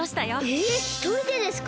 えっひとりでですか？